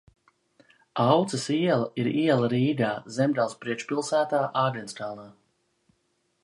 Auces iela ir iela Rīgā, Zemgales priekšpilsētā, Āgenskalnā.